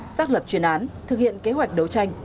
xác lập chuyên án thực hiện kế hoạch đấu tranh